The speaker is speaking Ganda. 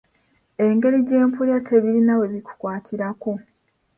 Engeri gy’empulira tebirina we bikukwatirako.